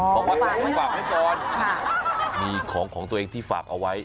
อ๋อบอกว่าต้องฝากให้ก่อนค่ะมีของของตัวเองที่ฝากเอาไว้